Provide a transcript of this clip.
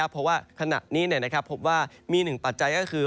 เพราะว่าขณะนี้พบว่ามีหนึ่งปัจจัยก็คือ